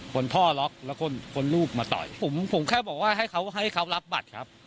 คนพ่อล็อกแล้วคนคนลูกมาต่อยผมผมแค่บอกว่าให้เขาให้เขารับบัตรครับ